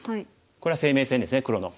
これは生命線ですね黒の。